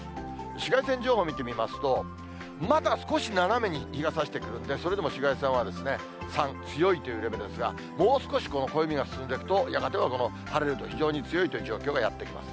紫外線情報見てみますと、まだ少し斜めに日がさしてくるんで、それでも紫外線は３、強いというレベルですが、もう少し暦が進んでいくと、やがては晴れると非常に強いという状況がやって来ます。